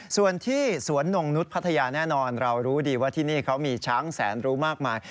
ส่วนที่สวนเรารู้ดีว่าที่นี่เขามีช้างแสนรูมากมาย